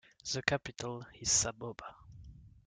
The capital is Saboba.